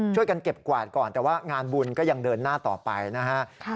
ช่วยกันเก็บกวาดก่อนแต่ว่างานบุญก็ยังเดินหน้าต่อไปนะฮะ